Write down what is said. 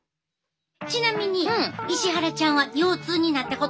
ちなみに石原ちゃんは腰痛になったことある？